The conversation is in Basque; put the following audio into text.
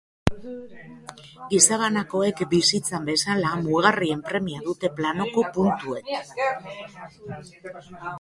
Gizabanakoek bizitzan bezala, mugarrien premia dute planoko puntuek!